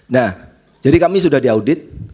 nah jadi kami sudah diaudit